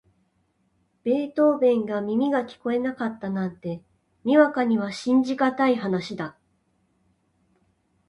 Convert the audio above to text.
ベートーヴェンが耳が聞こえなかったなんて、にわかには信じがたい話だ。